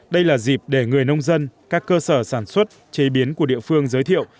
đây là dịp để người nông dân các cơ sở sản xuất chế biến của địa phương giới thiệu